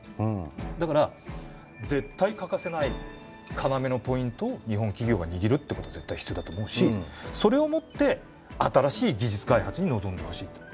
だから絶対欠かせない要のポイントを日本企業が握るってことは絶対必要だと思うしそれをもって新しい技術開発に臨んでほしいと。